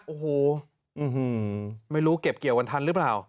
โอ้โหไม่รู้เก็บเกี่ยววันทันหรือเปล่า